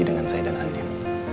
dengan saya dan andin